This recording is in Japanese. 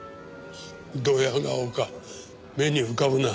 どや顔か目に浮かぶな。